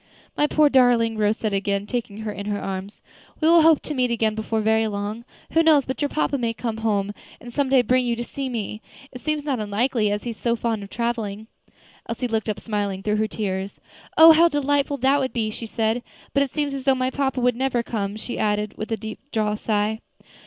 "My poor darling!" Rose said, again taking her in her arms, "we will hope to meet again before very long. Who knows but your papa may come home, and some day bring you to see me. It seems not unlikely, as he is so fond of traveling." Elsie looked up, smiling through her tears, "Oh! how delightful that would be," she said. "But it seems as though my papa would never come," she added, with a deep drawn sigh.